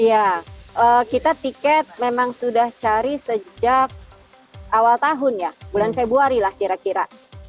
iya kita tiket memang sudah cari sejak awal tahun ya bulan februari lah kira kira